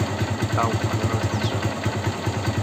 Au, anem a descansar.